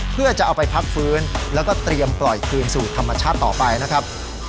เพื่อจะเอาไปพักฟื้นแล้วก็เตรียมปล่อยคืนสู่ธรรมชาติต่อไปนะครับ